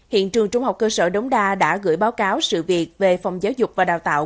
hiện trường trung học cơ sở đống đa đã gửi báo cáo sự việc về phòng giáo dục và đào tạo